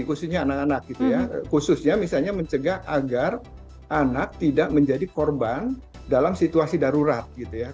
khususnya anak anak khususnya misalnya mencegah agar anak tidak menjadi korban dalam situasi darurat